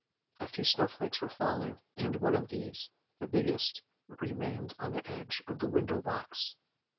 A few snow flakes were falling, and one of these, the biggest, remained on the edge of the window box.